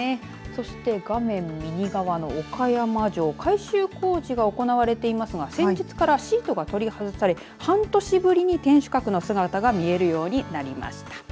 そして、画面右側の岡山城を改修工事が行われていますが先日からシートが取り外され半年ぶりに天守閣の姿が見えるようになりました。